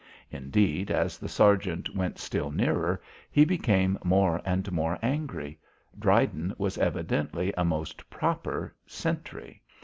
Indeed, as the sergeant went still nearer, he became more and more angry. Dryden was evidently a most proper sentry.